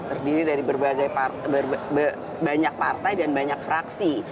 terdiri dari banyak partai dan banyak fraksi